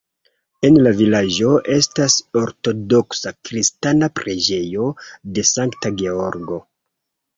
En la vilaĝo estas ortodoksa kristana preĝejo de Sankta Georgo.